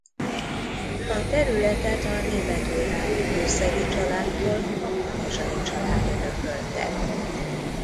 A területet a Németújvári Kőszegi családtól a Kanizsai család örökölte.